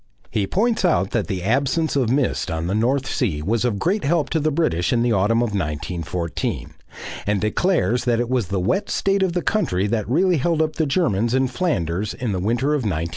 He points out that the absence of mist on the North Sea was of great help to the British in the autumn of 1914, and declares that it was the wet state of the country that really held up the Germans in Flanders in the winter of 1914 15.